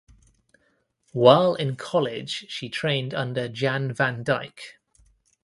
While in college she trained under Jan Van Dyke.